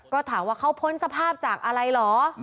ก็ถามว่าเขาพ้นสภาพจากอะไรเหรอ